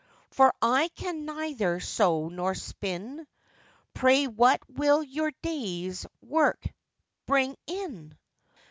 For I can neither sew nor spin;— Pray what will your day's work bring in?